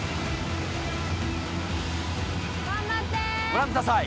ご覧ください。